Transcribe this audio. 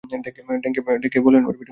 ডেকে বললেন, ওরে বেটি, মরে যাচ্ছি।